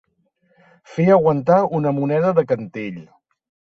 Fer aguantar una moneda de cantell.